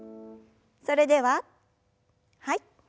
それでははい。